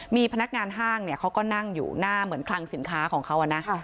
มีพนักงานห้างเขาก็นั่งอยู่หน้าเหมือนคลังสินค้าของเขานะ